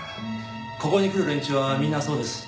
ここに来る連中はみんなそうです。